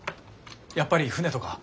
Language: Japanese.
やっぱり船とか。